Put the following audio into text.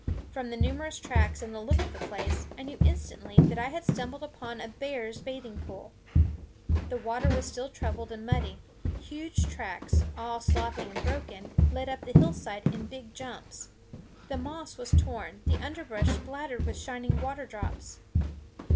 From the numerous tracks and the look of the place, I knew instantly that I had stumbled upon a bear's bathing pool. The water was still troubled and muddy; huge tracks, all soppy and broken, led up the hillside in big jumps; the moss was torn, the underbrush spattered with shining water drops.